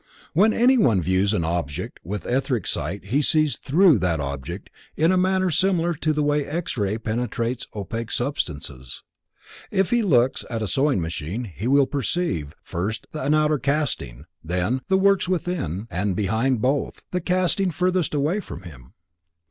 When anyone views an object with etheric sight he sees through that object in a manner similar to the way an x ray penetrates opaque substances. If he looks at a sewing machine, he will perceive, first an outer casing; then, the works within, and behind both, the casing furthest away from him.